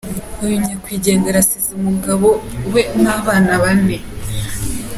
Uyu nyakwigendera asize umugabo we n’abana bane.